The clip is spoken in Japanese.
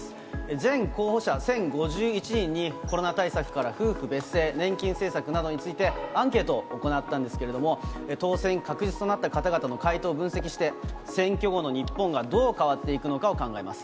全候補者１０５１人にコロナ対策から夫婦別姓、年金政策などについて、アンケートを行ったんですけれども、当選確実となった方々の回答を分析して、選挙後の日本がどう変わっていくのかを考えます。